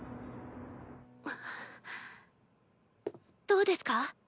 どうですか？